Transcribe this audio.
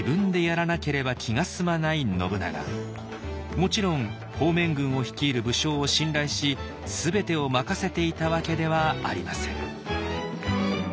もちろん方面軍を率いる武将を信頼し全てを任せていたわけではありません。